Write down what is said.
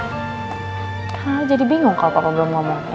karena rara jadi bingung kalau bapak belum ngomong ya kan